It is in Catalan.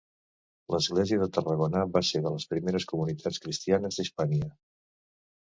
L'església de Tarragona va ser de les primeres comunitats cristianes d'Hispània.